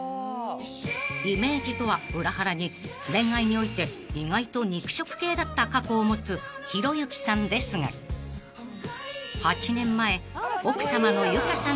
［イメージとは裏腹に恋愛において意外と肉食系だった過去を持つひろゆきさんですが８年前奥さまのゆかさんとご結婚］